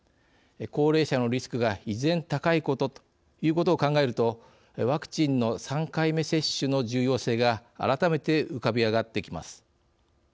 高齢者のリスクが依然高いことということを考えるとワクチンの３回目接種の重要性が改めて浮かび上がってきます。